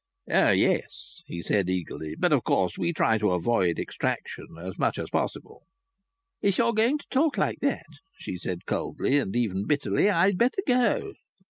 "Oh yes," he said eagerly. "But, of course, we try to avoid extraction as much as possible." "If you're going to talk like that," she said coldly, and even bitterly, "I'd better go."